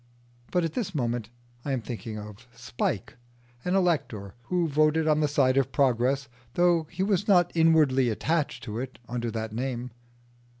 But at this moment I am thinking of Spike, an elector who voted on the side of Progress though he was not inwardly attached to it under that name.